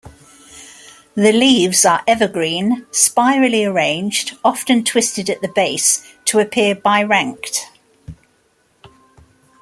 The leaves are evergreen, spirally arranged, often twisted at the base to appear biranked.